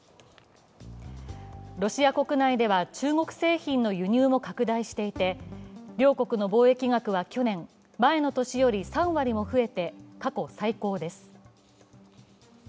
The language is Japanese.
ロシア国内では、中国製品の輸入も拡大していて両国の貿易額は去年、前の年より３割も増えて過去最高です。